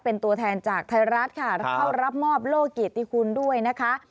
เป็นตัวแทนจากไทยรัฐค่ะเข้ารับมอบโลกเกียรติคุณด้วยนะคะ